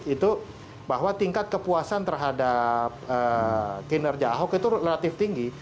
itu bahwa tingkat kepuasan terhadap kinerja ahok itu relatif tinggi